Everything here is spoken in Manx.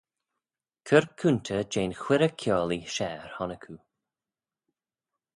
Cur coontey jeh'n chuirrey kiaullee share honnick oo.